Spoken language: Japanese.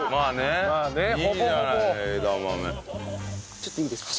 ちょっといいですか？